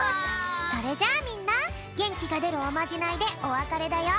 それじゃあみんなげんきがでるおまじないでおわかれだよ！